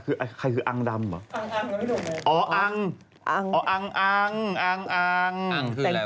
คือใครคืออังดำเหรอ